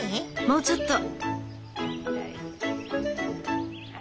もうちょっと。